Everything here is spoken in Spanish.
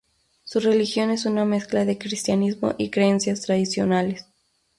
Su religión es una mezcla de cristianismo y creencias tradicionales.